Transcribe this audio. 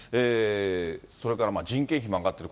それから人件費も上がっている。